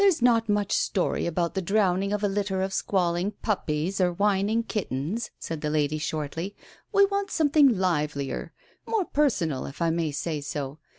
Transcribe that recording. "There's not much story about the drowning of a litter of squalling puppies or whining kittens," said that lady shortly, "we want something livelier — more per sonal, if I may say so.